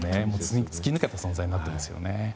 突き抜けた存在になっていますよね。